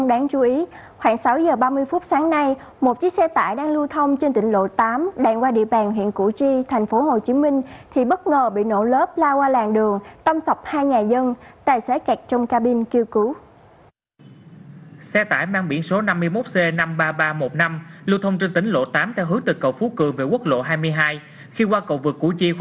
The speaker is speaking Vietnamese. đáng ra làm sao nhất là việt nam vô địch